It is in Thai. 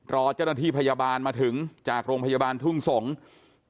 รอเจ้าหน้าที่พยาบาลมาถึงจากโรงพยาบาลทุ่งสงศ์